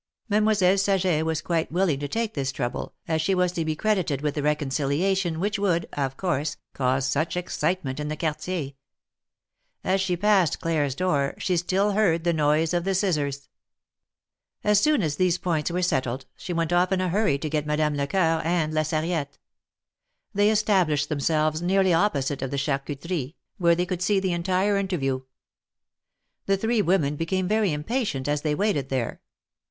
Mademoiselle Saget was quite willing to take this trouble, as she was to be credited with the reconciliation which would, of course, cause such excitement in the Quartier. As she passed Claire^s door she still heard the noise of the scissors. As soon as these points were settled, she went off in a hurry to get Madame Lecoeur and La Sarriette. They established themselves nearly opposite the Cliarcuterie, where they could see the entire interview. The three women became very impatient as they waited there.